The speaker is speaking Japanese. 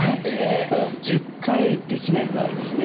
ただ１０回できない場合ですね